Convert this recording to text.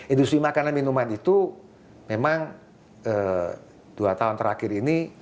industri makanan minuman itu memang dua tahun terakhir ini